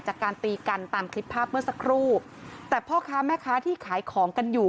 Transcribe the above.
การตีกันตามคลิปภาพเมื่อสักครู่แต่พ่อค้าแม่ค้าที่ขายของกันอยู่